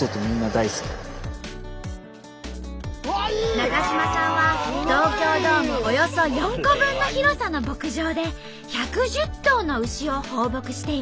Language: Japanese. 中島さんは東京ドームおよそ４個分の広さの牧場で１１０頭の牛を放牧しています。